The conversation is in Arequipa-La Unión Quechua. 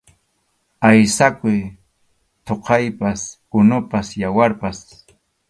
Aysakuq thuqaypas, unupas, yawarpas.